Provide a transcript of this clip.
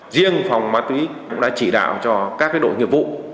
riêng phòng ma túy cũng đã chỉ đạo cho các đội nghiệp vụ